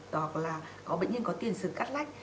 hoặc là có bệnh nhân có tiền sử cắt lách